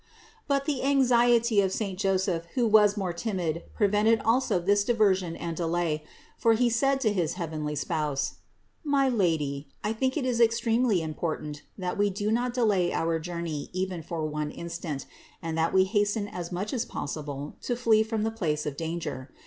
But the anxiety of saint Joseph, who was more timid, prevented also this diversion and delay ; for he said to his heavenly Spouse : "My Lady, I think it is extremely important that we do not delay our journey even for one instant; and that we hasten as much as possible to flee from the place of dan ger.